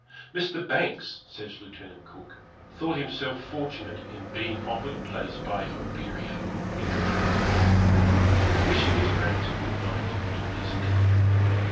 Mr. Banks, says Lieut. Cook, thought himself fortunate in being offered a place by Oberea, in her own canoe, and wishing his friends a good night, took his leave.